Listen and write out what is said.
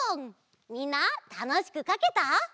みんなたのしくかけた？